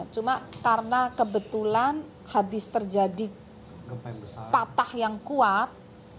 cuma karena kebetulan habis terjadi patah yang kuat